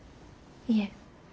いえ。